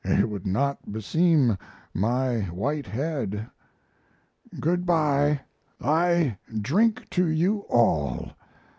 It would not beseem my white head. Good by. I drink to you all.